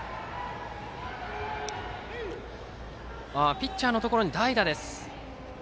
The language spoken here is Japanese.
ピッチャーのところに代打です。